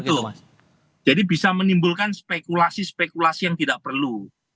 betul mas jadi bisa menimbulkan spekulasi spekulasi yang tidak perlu